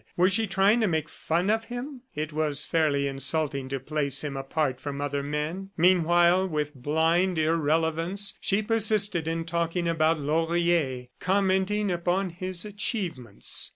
Was she trying to make fun of him? ... It was fairly insulting to place him apart from other men. Meanwhile, with blind irrelevance, she persisted in talking about Laurier, commenting upon his achievements.